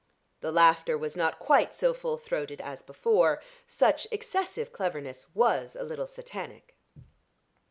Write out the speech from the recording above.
The laughter was not quite so full throated as before. Such excessive cleverness was a little Satanic.